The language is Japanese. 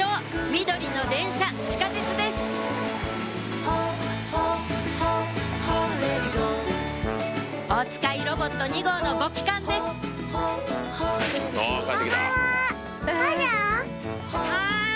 緑の電車地下鉄ですおつかいロボット２号のご帰還です・はい！